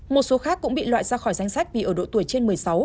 một số khác cũng bị loại ra khỏi danh sách vì ở độ tuổi trên một mươi sáu